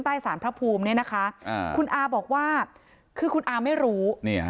ใต้สารพระภูมิเนี่ยนะคะคุณอาบอกว่าคือคุณอาไม่รู้